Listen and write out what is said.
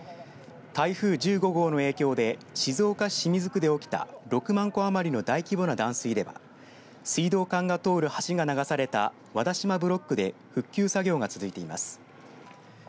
台風１５号の影響で静岡市清水区で起きた６万戸余りの大規模な断水では水道管が通る橋が流された和田島ブロックで復旧作業が続いています。